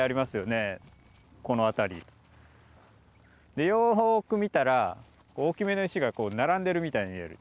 でよく見たら大きめの石が並んでるみたいに見える。